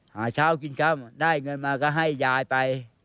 หาเช้ากินค่ำได้เงินมาก็ให้ยายไป